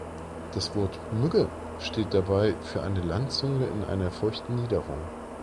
Das Wort „Mügge“ steht dabei für eine Landzunge in einer feuchten Niederung.